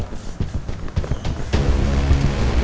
tau rumah gue dari mana